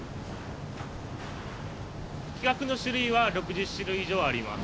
規格の種類は６０種類以上あります。